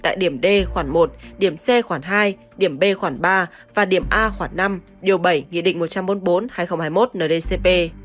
tại điểm d khoản một điểm c khoảng hai điểm b khoảng ba và điểm a khoảng năm điều bảy nghị định một trăm bốn mươi bốn hai nghìn hai mươi một ndcp